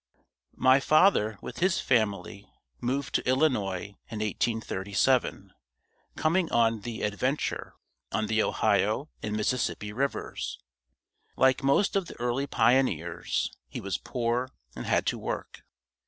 My father with his family moved to Illinois in 1837, coming on the "Adventure," on the Ohio and Mississippi rivers. Like most of the early pioneers he was poor and had to work.